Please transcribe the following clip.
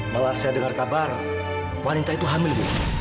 malah saya dengar kabar wanita itu hamil